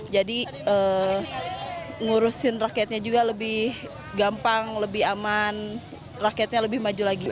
jadi ngurusin rakyatnya juga lebih gampang lebih aman rakyatnya lebih maju lagi